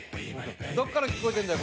どっから聞こえてんだよ